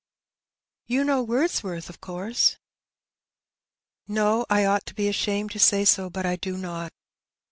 " You know Wordsworth, of course ?" '^No, I ought to be ashamed to say so, but I do not."